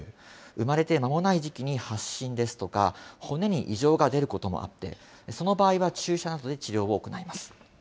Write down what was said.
生まれてまもない時期に発疹ですとか、骨に異常が出ることもあって、その場合は注射などで治療を行います。